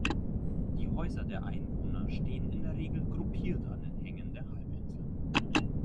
Die Häuser der Einwohner stehen in der Regel gruppiert an den Hängen der Halbinsel.